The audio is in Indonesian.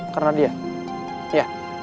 karena dia ya